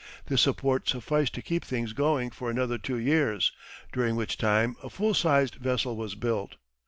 This support sufficed to keep things going for another two years, during which time a full sized vessel was built.